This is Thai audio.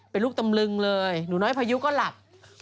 เป็นลูกตำลึงเลยหนูน้อยพายุก็หลับ